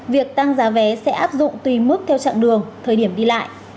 việc tăng giá vé sẽ áp dụng tùy mức theo chặng đường thời điểm đi lại